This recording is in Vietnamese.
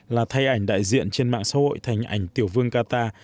là thay ảnh đại diện trên mạng xã hội thành ảnh tiểu vương qatar